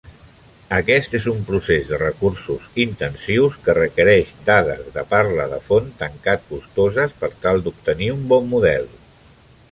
Aquest és un procés de recursos intensius que requereix dades de parla de font tancat costoses per tal d'obtenir un bon model.